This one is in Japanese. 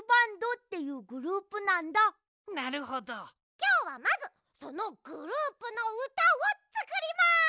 きょうはまずそのグループのうたをつくります！